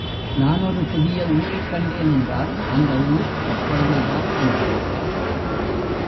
நான் ஒரு புதிய ஊரைக் கண்டேன் என்றால் அந்த ஊர் அப்பொழுதுதான் உண்டாயிற்றா?